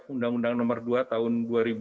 undang undang nomor dua tahun dua ribu dua